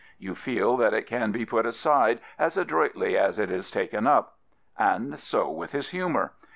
You feel that it can be put aside as adroitly as it is taken up. And so with his humour.